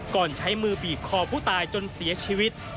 ใช้มือบีบคอผู้ตายจนเสียชีวิต